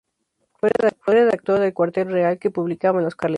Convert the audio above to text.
Fue redactor de "El Cuartel Real", que publicaban los carlistas.